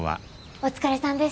お疲れさんです。